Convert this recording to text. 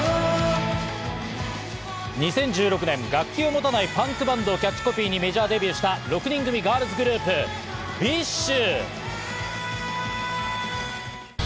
２０１６年、楽器を持たないパンクバンドをキャッチコピーにメジャーデビューした、６人組ガールズグループ・ＢｉＳＨ。